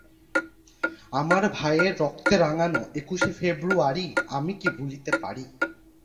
আন্তর্জাতিক সনাক্তকরণ ফলক/স্টিকার হচ্ছে ভি।